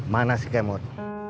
mana si kemot